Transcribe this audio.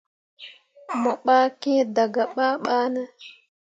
Mo ɓah kiŋ dah gah babane.